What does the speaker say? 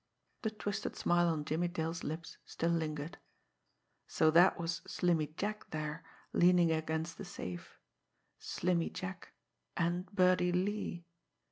The twisted smile on Jimmie Dale's lips still lingered. So that was Slimmy Jack there, leaning against the safe! Slimmy Jack and Birdie Lee!